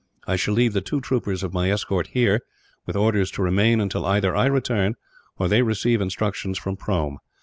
I shall leave the two troopers of my escort here, with orders to remain until either I return, or they receive instructions from Prome.